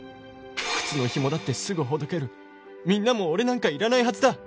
「靴の紐だってすぐほどける」「みんなも俺なんかいらないはずだ！」